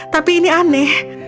tapi ini aneh